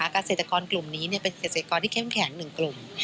เกษตรกรกลุ่มนี้เป็นเกษตรกรที่เข้มแข็ง๑กลุ่ม